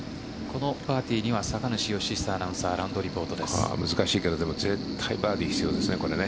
このパーティーには酒主義久アナウンサーが難しいけど絶対バーディー必要ですね。